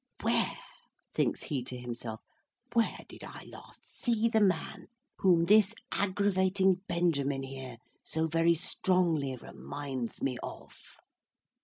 "Where?" thinks he to himself, "where did I last see the man whom this agravating Benjamin, here, so very strongly reminds me of?"